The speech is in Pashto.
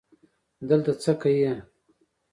دلته څه که یې